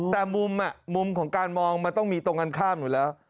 แต่มุมของการมองมันต้องมีตรงกันข้ามอยู่แล้ว